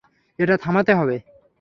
এটা থামাতে হবে।